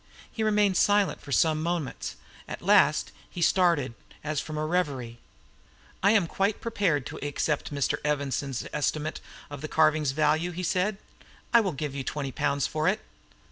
He remained silent for some moments. At last he started, as from a reverie. "I am quite prepared to accept Mr. Evanson's estimate of the carving's value," he said. "I will give you twenty pounds for it."